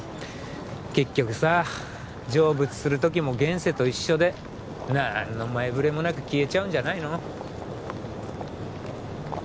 結局さ成仏する時も現世と一緒でなんの前触れもなく消えちゃうんじゃないの？